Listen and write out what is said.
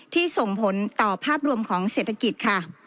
ส่งผลต่อภาพรวมของเศรษฐกิจค่ะ